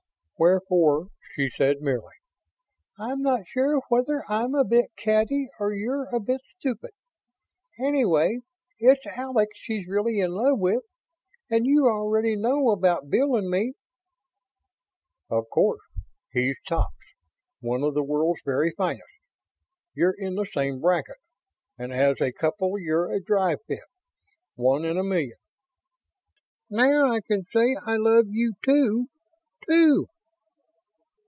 Wherefore she said merely: "I'm not sure whether I'm a bit catty or you're a bit stupid. Anyway, it's Alex she's really in love with. And you already know about Bill and me." "Of course. He's tops. One of the world's very finest. You're in the same bracket, and as a couple you're a drive fit. One in a million." "Now I can say 'I love you, too', too."